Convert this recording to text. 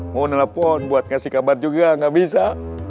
mau nelfon buat ngasih kabar juga nggak bisa